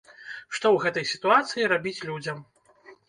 Што ў гэтай сітуацыі рабіць людзям?